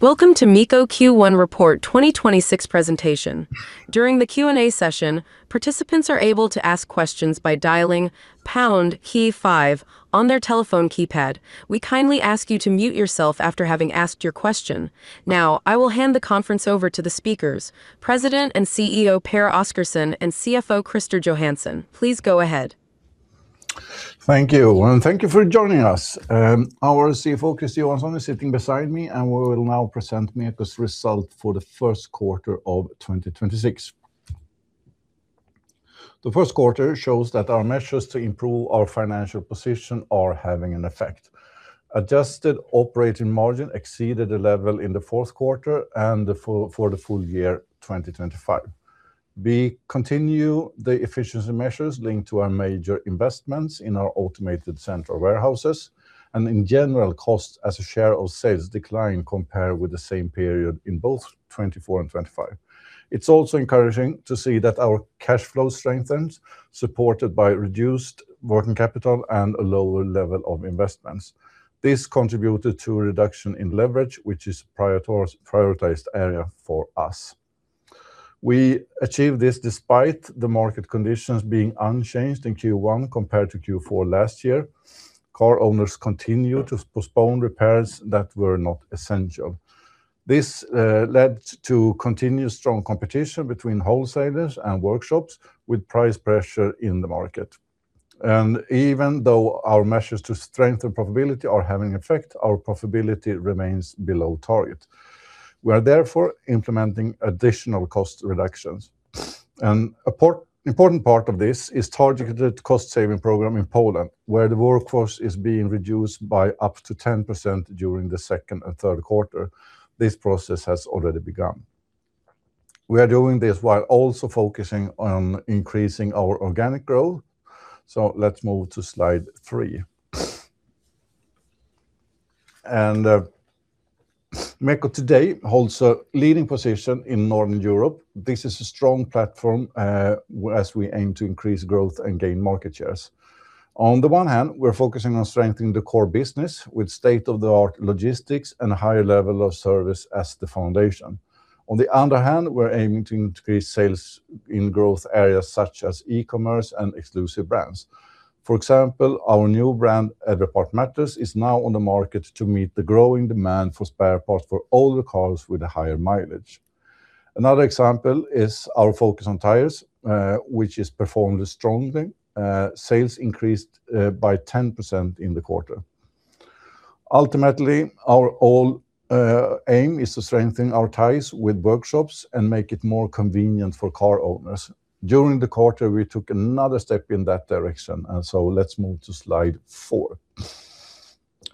Welcome to MEKO Q1 Report 2026 presentation. During the Q&A session, participants are able to ask questions by dialing pound key five on their telephone keypad. We kindly ask you to mute yourself after having asked your question. Now, I will hand the conference over to the speakers, President and CEO Pehr Oscarson and CFO Christer Johansson. Please go ahead. Thank you, and thank you for joining us. Our CFO, Christer Johansson, is sitting beside me, and we will now present MEKO's result for the first quarter of 2026. The first quarter shows that our measures to improve our financial position are having an effect. Adjusted operating margin exceeded the level in the fourth quarter and for the full year 2025. We continue the efficiency measures linked to our major investments in our automated central warehouses, and in general, costs as a share of sales decline compared with the same period in both 2024 and 2025. It's also encouraging to see that our cash flow strengthens, supported by reduced working capital and a lower level of investments. This contributed to a reduction in leverage, which is prioritized area for us. We achieved this despite the market conditions being unchanged in Q1 compared to Q4 last year. Car owners continued to postpone repairs that were not essential. This led to continued strong competition between wholesalers and workshops with price pressure in the market. Even though our measures to strengthen profitability are having effect, our profitability remains below target. We are therefore implementing additional cost reductions. Important part of this is targeted cost-saving program in Poland, where the workforce is being reduced by up to 10% during the second and third quarter. This process has already begun. We are doing this while also focusing on increasing our organic growth. Let's move to slide three. MEKO today holds a leading position in Northern Europe. This is a strong platform as we aim to increase growth and gain market shares. On the one hand, we're focusing on strengthening the core business with state-of-the-art logistics and a higher level of service as the foundation. On the other hand, we're aiming to increase sales in growth areas such as e-commerce and exclusive brands. For example, our new brand, Every Part Matters, is now on the market to meet the growing demand for spare parts for older cars with a higher mileage. Another example is our focus on tires, which has performed strongly. Sales increased by 10% in the quarter. Ultimately, our aim is to strengthen our ties with workshops and make it more convenient for car owners. During the quarter, we took another step in that direction. Let's move to slide four.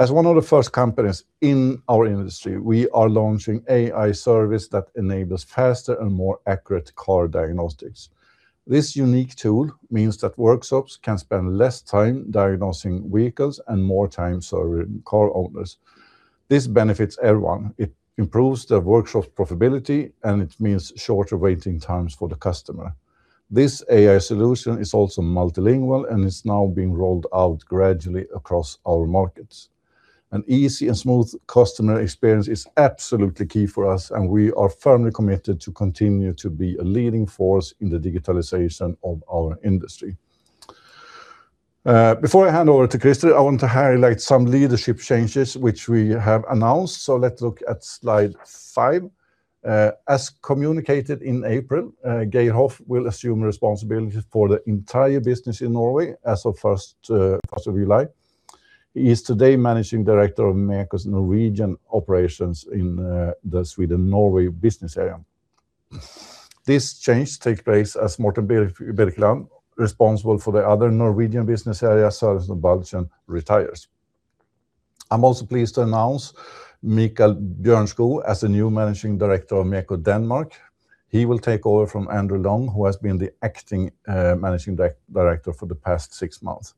As one of the first companies in our industry, we are launching AI service that enables faster and more accurate car diagnostics. This unique tool means that workshops can spend less time diagnosing vehicles and more time serving car owners. This benefits everyone. It improves the workshop's profitability, and it means shorter waiting times for the customer. This AI solution is also multilingual and is now being rolled out gradually across our markets. An easy and smooth customer experience is absolutely key for us, and we are firmly committed to continue to be a leading force in the digitalization of our industry. Before I hand over to Christer, I want to highlight some leadership changes which we have announced. Let's look at slide five. As communicated in April, Geir Hoff will assume responsibility for the entire business in Norway as of first of July. He is today Managing Director of MEKO's Norwegian Operations in the Sweden/Norway business area. This change takes place as Morten Birkeland, responsible for the other Norwegian business area, Sørensen og Balchen, retires. I'm also pleased to announce Mikael Bjørnskov as the new Managing Director of MEKO Denmark. He will take over from Andrew Long, who has been the acting Managing Director for the past six months.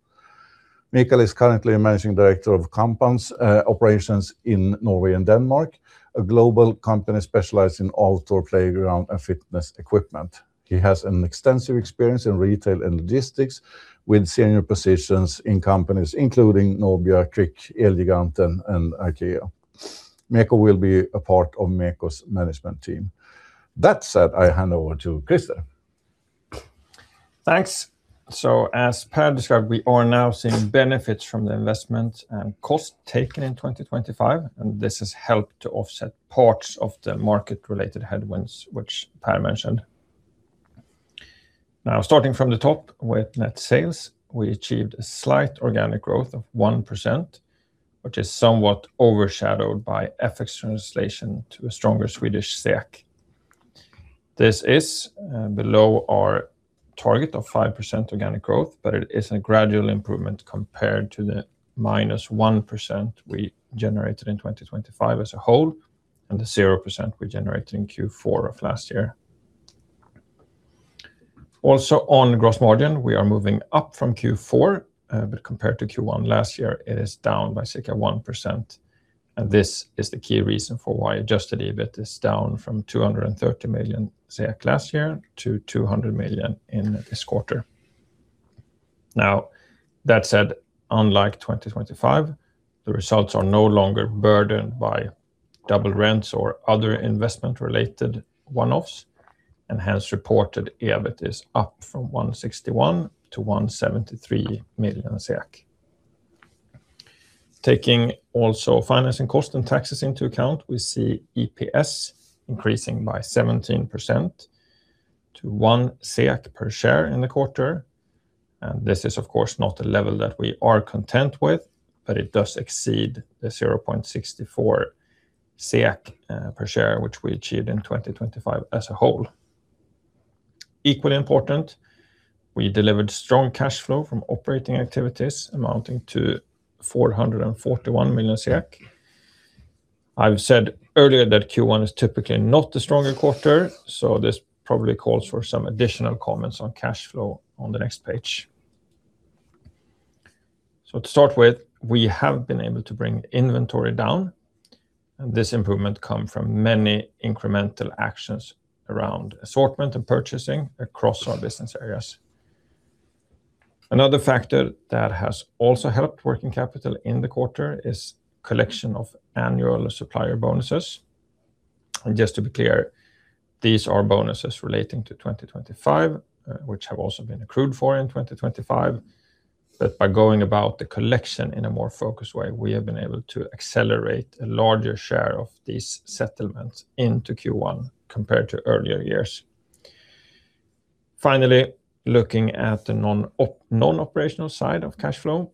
Mikael is currently Managing Director of KOMPAN operations in Norway and Denmark, a global company specialized in outdoor playground and fitness equipment. He has an extensive experience in retail and logistics with senior positions in companies including Nobia, Tryg, Elgiganten, and IKEA. MEKO will be a part of MEKO's management team. That said, I hand over to Christer. Thanks. As Pehr described, we are now seeing benefits from the investment and cost taken in 2025, and this has helped to offset parts of the market-related headwinds which Pehr mentioned. Now, starting from the top with net sales, we achieved a slight organic growth of 1%, which is somewhat overshadowed by FX translation to a stronger Swedish SEK. This is below our target of 5% organic growth, but it is a gradual improvement compared to the -1% we generated in 2025 as a whole, and the 0% we generated in Q4 of last year. On gross margin, we are moving up from Q4, but compared to Q1 last year, it is down by SEK 1%, this is the key reason for why adjusted EBIT is down from 230 million last year to 200 million in this quarter. Unlike 2025, the results are no longer burdened by double rents or other investment-related one-offs, hence reported EBIT is up from 161 million to 173 million SEK. Taking also financing cost and taxes into account, we see EPS increasing by 17% to 1 SEK/share in the quarter, this is of course not a level that we are content with, but it does exceed the 0.64 SEK/share, which we achieved in 2025 as a whole. Equally important, we delivered strong cash flow from operating activities amounting to 441 million. I've said earlier that Q1 is typically not the stronger quarter, this probably calls for some additional comments on cash flow on the next page. To start with, we have been able to bring inventory down, and this improvement come from many incremental actions around assortment and purchasing across our business areas. Another factor that has also helped working capital in the quarter is collection of annual supplier bonuses. Just to be clear, these are bonuses relating to 2025, which have also been accrued for in 2025. By going about the collection in a more focused way, we have been able to accelerate a larger share of these settlements into Q1 compared to earlier years. Finally, looking at the non-operational side of cash flow,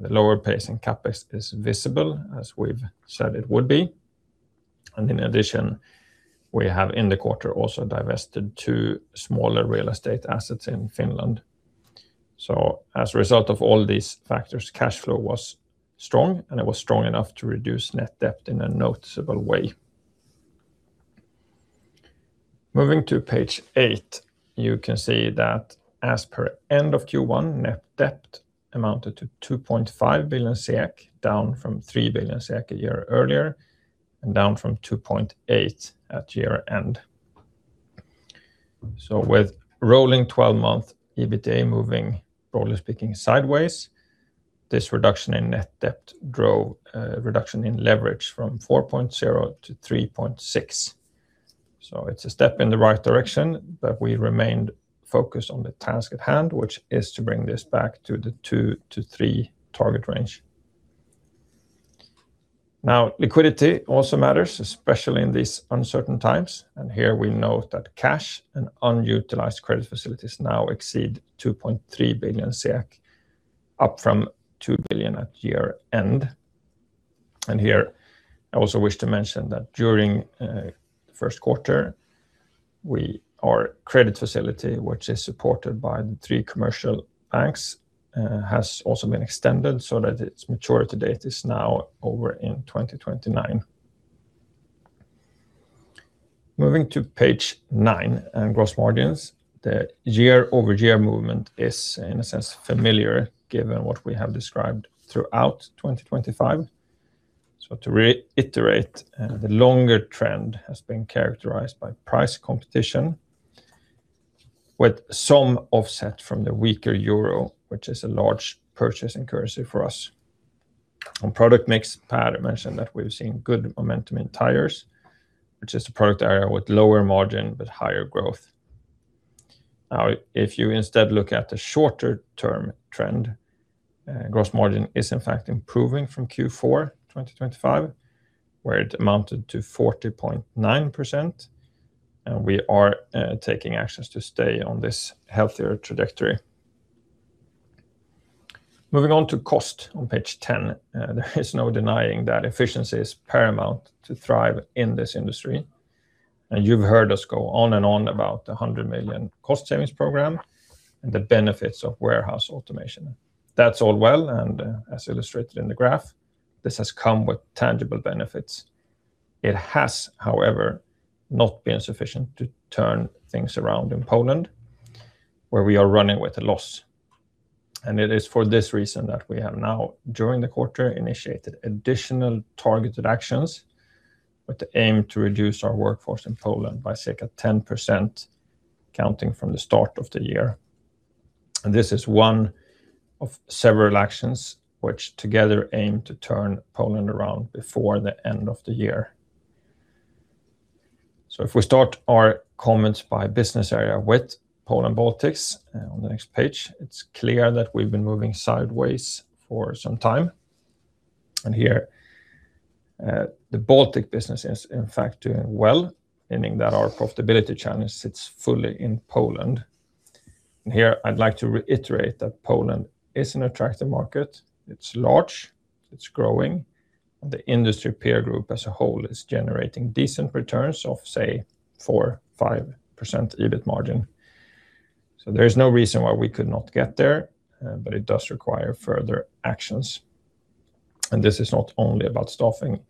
the lower pace in CapEx is visible, as we've said it would be. In addition, we have in the quarter also divested two smaller real estate assets in Finland. As a result of all these factors, cash flow was strong, and it was strong enough to reduce net debt in a noticeable way. Moving to page eight, you can see that as per end of Q1, net debt amounted to 2.5 billion SEK, down from 3 billion SEK a year earlier, and down from 2.8 billion at year-end. With rolling 12-month EBITA moving, broadly speaking, sideways, this reduction in net debt drove a reduction in leverage from 4.0 to 3.6. It's a step in the right direction, but we remained focused on the task at hand, which is to bring this back to the 2 to 3 target range. Liquidity also matters, especially in these uncertain times, we note that cash and unutilized credit facilities now exceed 2.3 billion, up from 2 billion at year-end. I also wish to mention that during the first quarter, our credit facility, which is supported by the three commercial banks, has also been extended so that its maturity date is now over in 2029. Moving to page nine and gross margins. The year-over-year movement is, in a sense, familiar given what we have described throughout 2025. To reiterate, the longer trend has been characterized by price competition with some offset from the weaker euro, which is a large purchasing currency for us. On product mix, Pehr mentioned that we've seen good momentum in tires, which is a product area with lower margin but higher growth. If you instead look at the shorter term trend, gross margin is in fact improving from Q4 2025, where it amounted to 40.9%, and we are taking actions to stay on this healthier trajectory. Moving on to cost on page 10, there is no denying that efficiency is paramount to thrive in this industry. You've heard us go on and on about the 100 million cost savings program and the benefits of warehouse automation. That's all well, and as illustrated in the graph, this has come with tangible benefits. It has, however, not been sufficient to turn things around in Poland, where we are running with a loss. It is for this reason that we have now, during the quarter, initiated additional targeted actions with the aim to reduce our workforce in Poland by SEK at 10%, counting from the start of the year. This is one of several actions which together aim to turn Poland around before the end of the year. If we start our comments by business area with Poland/Baltics on the next page, it's clear that we've been moving sideways for some time. Here, the Baltic business is in fact doing well, meaning that our profitability challenge sits fully in Poland. Here I'd like to reiterate that Poland is an attractive market. It's large, it's growing. The industry peer group as a whole is generating decent returns of, say, 4%, 5% EBIT margin. There is no reason why we could not get there, but it does require further actions. This is not only about staffing.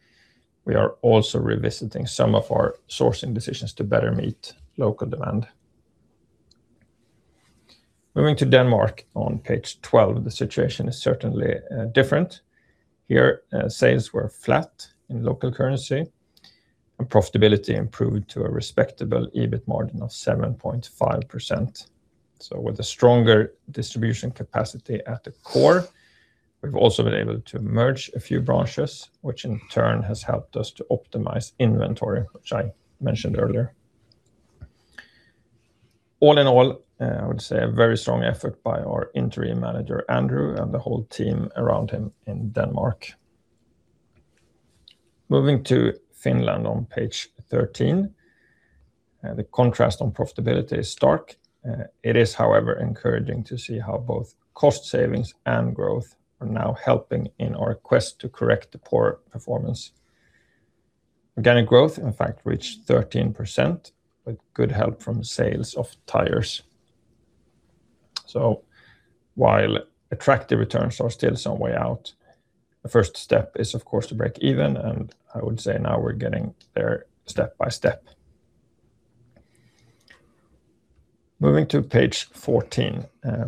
We are also revisiting some of our sourcing decisions to better meet local demand. Moving to Denmark on page 12, the situation is certainly different. Here, sales were flat in local currency. Profitability improved to a respectable EBIT margin of 7.5%. With a stronger distribution capacity at the core, we've also been able to merge a few branches, which in turn has helped us to optimize inventory, which I mentioned earlier. All in all, I would say a very strong effort by our interim manager, Andrew, and the whole team around him in Denmark. Moving to Finland on page 13, the contrast on profitability is stark. It is, however, encouraging to see how both cost savings and growth are now helping in our quest to correct the poor performance. Organic growth, in fact, reached 13% with good help from sales of tires. While attractive returns are still some way out, the first step is, of course, to break even. I would say now we're getting there step by step. Moving to page 14,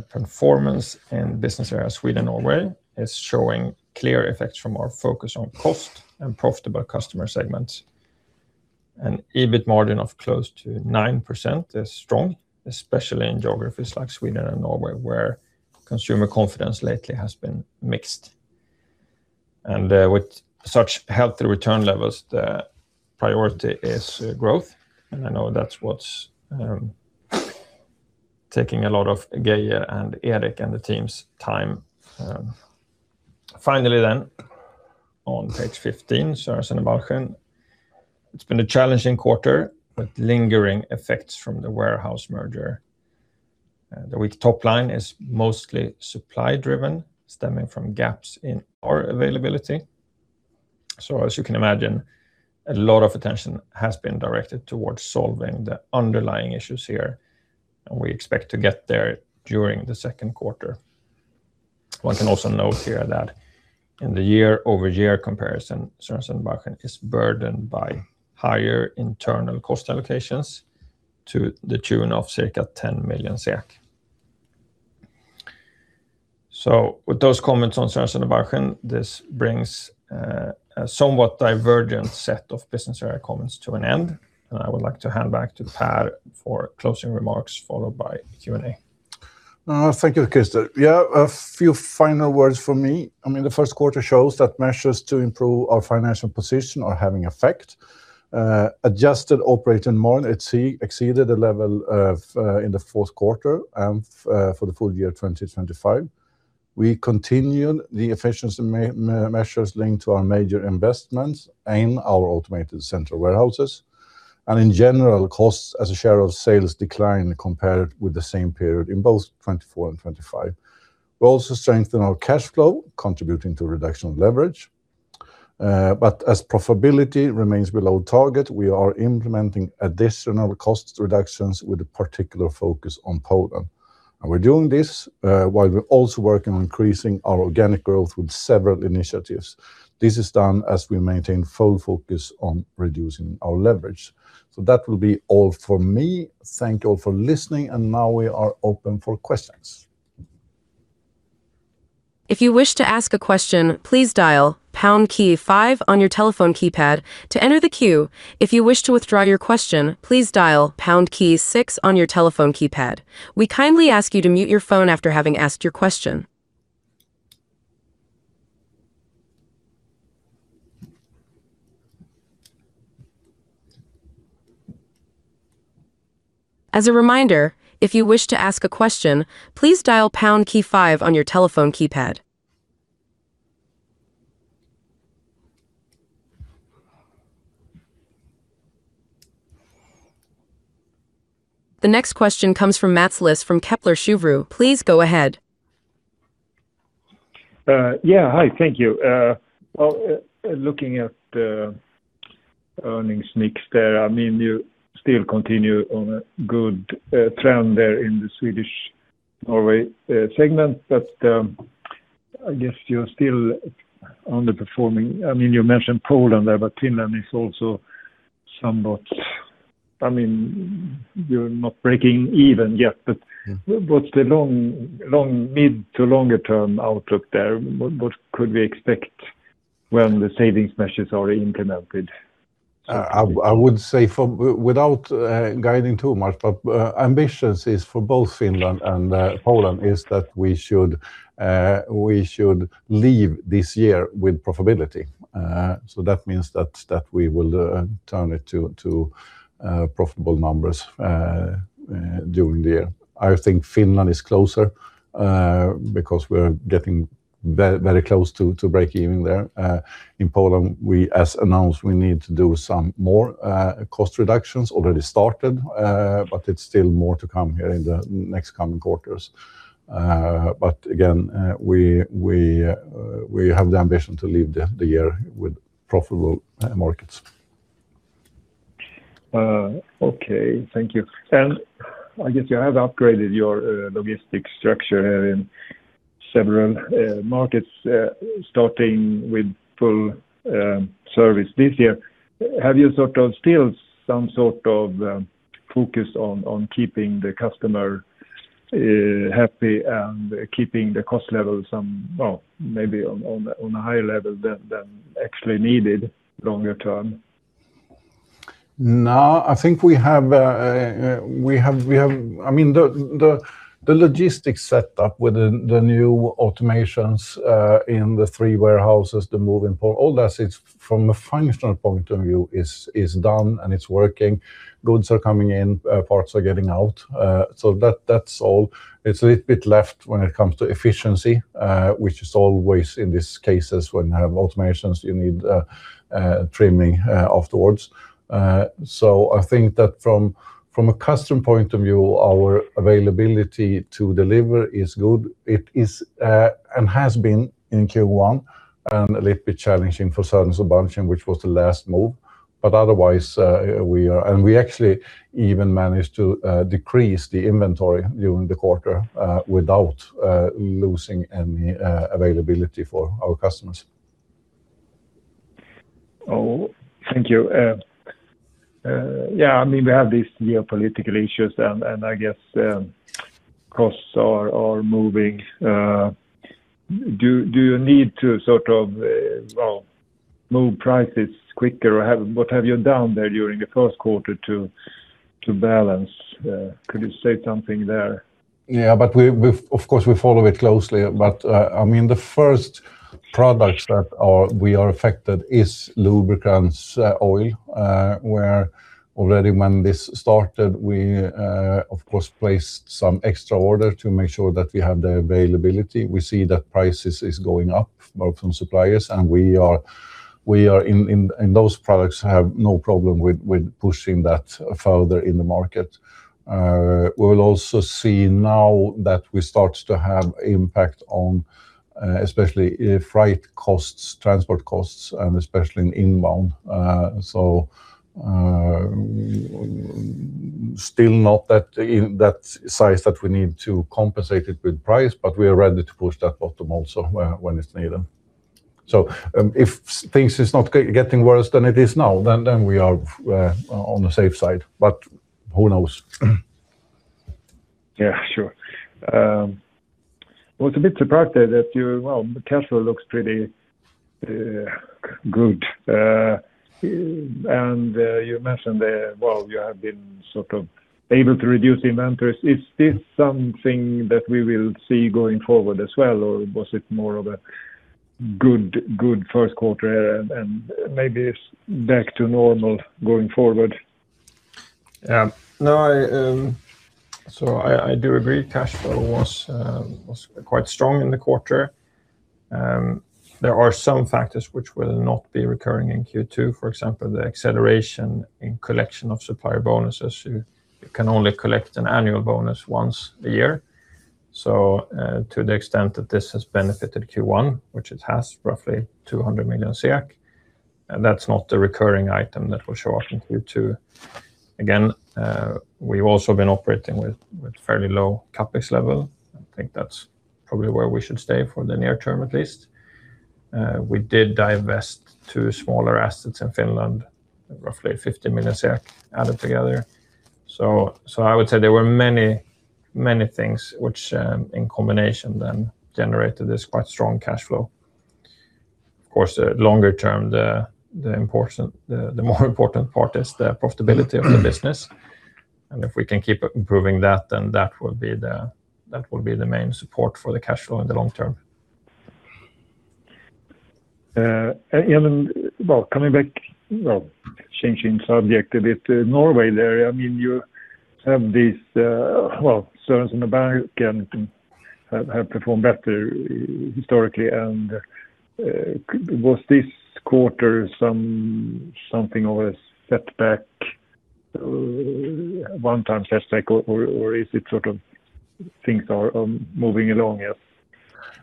performance in business area Sweden/Norway is showing clear effects from our focus on cost and profitable customer segments. An EBIT margin of close to 9% is strong, especially in geographies like Sweden and Norway, where consumer confidence lately has been mixed. With such healthy return levels, the priority is growth, and I know that's what's taking a lot of Geir and Erik and the team's time. Finally on page 15, Sørensen og Balchen. It's been a challenging quarter with lingering effects from the warehouse merger. The weak top line is mostly supply driven, stemming from gaps in our availability. As you can imagine, a lot of attention has been directed towards solving the underlying issues here, and we expect to get there during the second quarter. One can also note here that in the year-over-year comparison, Sørensen og Balchen is burdened by higher internal cost allocations to the tune of circa 10 million SEK. With those comments on Sørensen og Balchen, this brings a somewhat divergent set of business area comments to an end, and I would like to hand back to Pehr for closing remarks, followed by Q&A. Thank you, Christer. Yeah, a few final words from me. I mean, the first quarter shows that measures to improve our financial position are having effect. Adjusted operating margin exceeded the level of in the fourth quarter and for the full year 2025. We continue the efficiency measures linked to our major investments in our automated central warehouses. In general, costs as a share of sales decline compared with the same period in both 2024 and 2025. We also strengthen our cash flow, contributing to reduction of leverage. As profitability remains below target, we are implementing additional cost reductions with a particular focus on Poland. We're doing this while we're also working on increasing our organic growth with several initiatives. This is done as we maintain full focus on reducing our leverage. That will be all for me. Thank you all for listening. Now we are open for questions. If you wish to ask a question please dial pound key five on your telephone keypad to enter the que. If you wish to withdraw your question please dial pound key six on your telephone keypad. We kindly ask you to mute your phone after having ask your question. As a remainder if you wish to ask a question please dial pound key five on your telephone keypad. The next question comes from Mats Liss from Kepler Cheuvreux. Please go ahead. Yeah. Hi, thank you. Well, looking at the earnings mix there, I mean, you still continue on a good trend there in the Sweden/Norway segment. I guess you're still underperforming. I mean, you mentioned Poland there, but Finland is also somewhat, I mean, you're not breaking even yet. Yeah What's the long mid to longer term outlook there? What could we expect when the savings measures are implemented? I would say without guiding too much, ambitions is for both Finland and Poland, is that we should leave this year with profitability. That means that we will turn it to profitable numbers during the year. I think Finland is closer because we're getting very close to breakeven there. In Poland, we, as announced, we need to do some more cost reductions. Already started, it's still more to come here in the next coming quarters. Again, we have the ambition to leave the year with profitable markets. Okay. Thank you. I guess you have upgraded your logistics structure here in several markets, starting with full service this year. Have you sort of still some sort of focus on keeping the customer happy and keeping the cost levels, well, maybe on a higher level than actually needed longer term? I think we have, I mean, the logistics set up with the new automations in the three warehouses. The move in for all, it's from a functional point of view, is done and it's working. Goods are coming in, parts are getting out. That's all. It's a little bit left when it comes to efficiency, which is always in these cases when you have automations, you need trimming afterwards. I think that from a custom point of view, our availability to deliver is good. It is and has been in Q1 and a little bit challenging for certain subfunction, which was the last move. Otherwise, we actually even managed to decrease the inventory during the quarter without losing any availability for our customers. Oh, thank you. Yeah, I mean, we have these geopolitical issues and I guess costs are moving. Do you need to sort of, well, move prices quicker? What have you done there during the first quarter to balance? Could you say something there? We, of course, we follow it closely, but, I mean, the first products that we are affected is lubricants oil, where already when this started, we, of course, placed some extra order to make sure that we have the availability. We see that prices is going up both from suppliers and we are in those products have no problem with pushing that further in the market. We'll also see now that we start to have impact on especially freight costs, transport costs, and especially in inbound. Still not that, in that size that we need to compensate it with price, but we are ready to push that bottom also when it's needed. If things is not getting worse than it is now, then we are on the safe side. Who knows? Yeah, sure. Well, it's a bit surprising that your, well, cash flow looks pretty good. You mentioned that, well, you have been sort of able to reduce inventories. Is this something that we will see going forward as well, or was it more of a good first quarter and, maybe it's back to normal going forward? I do agree, cash flow was quite strong in the quarter. There are some factors which will not be recurring in Q2. For example, the acceleration in collection of supplier bonuses. You can only collect an annual bonus once a year. To the extent that this has benefited Q1, which it has roughly 200 million, and that's not a recurring item that will show up in Q2. Again, we've also been operating with fairly low CapEx level. I think that's probably where we should stay for the near term at least. We did divest two smaller assets in Finland, roughly 50 million SEK added together. I would say there were many, many things which in combination then generated this quite strong cash flow. Of course, the longer term, the more important part is the profitability of the business. If we can keep improving that, then that will be the main support for the cash flow in the long term. Well, coming back, well, changing subject a bit, Norway there, I mean, you have this, well, Sørensen og Balchen have performed better historically. Was this quarter something of a setback, one time setback or is it sort of things are moving along as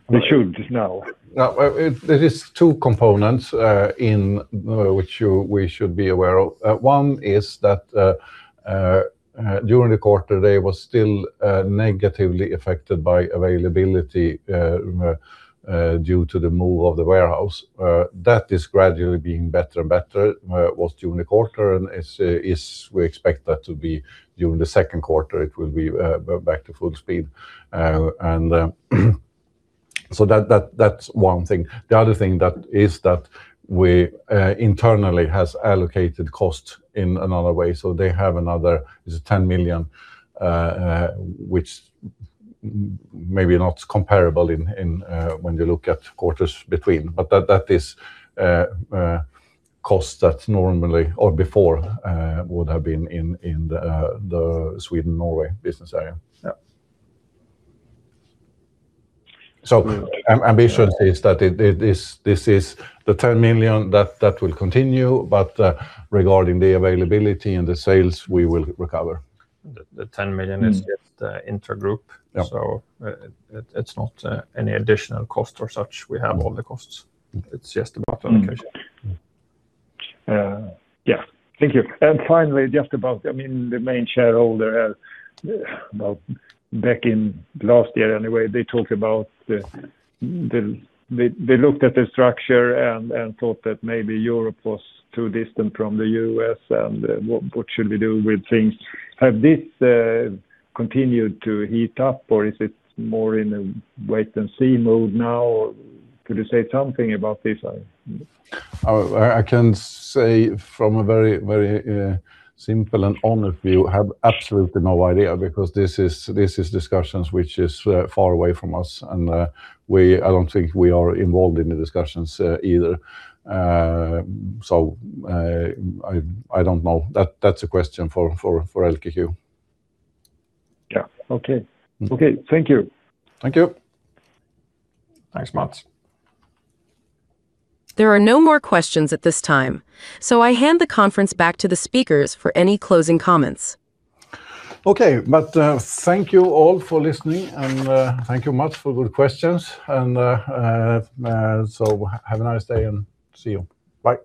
they should now? It is two components in which we should be aware of. One is that during the quarter, they were still negatively affected by availability due to the move of the warehouse. That is gradually being better and better, was during the quarter and is we expect that to be during the second quarter, it will be back to full speed. That's one thing. The other thing that is that we internally has allocated costs in another way. They have another, it's 10 million, which maybe not comparable in when you look at quarters between. That is cost that normally or before would have been in the Sweden/Norway business area. Yeah. Ambition is that it, this is the 10 million that will continue. Regarding the availability and the sales, we will recover. The 10 million is just intergroup. Yeah. It's not any additional cost or such. We have all the costs. It's just about allocation. Mm-hmm. Yeah. Thank you. Finally, just about, I mean, the main shareholder, well, back in last year anyway, they talked about the, they looked at the structure and thought that maybe Europe was too distant from the U.S., and what should we do with things? Have this continued to heat up or is it more in a wait and see mode now? Could you say something about this? I can say from a very, very simple and honest view, I have absolutely no idea because this is discussions which is far away from us. I don't think we are involved in the discussions either. I don't know. That's a question for LKQ. Yeah. Okay. Okay. Thank you. Thank you. Thanks, Mats. There are no more questions at this time, so I hand the conference back to the speakers for any closing comments. Okay. Mats, thank you all for listening, and thank you Mats for good questions. Have a nice day and see you. Bye.